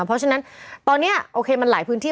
เพราะฉะนั้นตอนนี้โอเคมันหลายพื้นที่